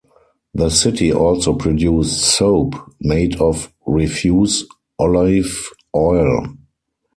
The city also produced soap made of refuse olive oil.